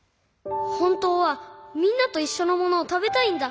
ほんとうはみんなといっしょのものをたべたいんだ。